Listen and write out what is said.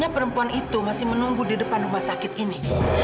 perempuan itu masih menunggu di depan rumah sakit ini